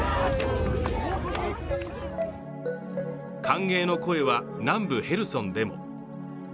歓迎の声は南部ヘルソンでも。